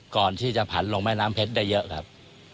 ก่อนที่จะผันลงแม่น้ำเพชรได้เยอะครับ